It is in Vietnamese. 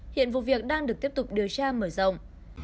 hiện vụ việc đang được tiếp tục điều tra mở rộng